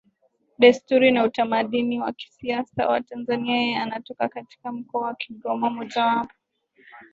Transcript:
desturi na utamaduni wa kisiasa wa TanzaniaYeye anatoka katika Mkoa wa Kigoma mojawapo